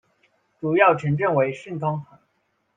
主要城镇为圣康坦。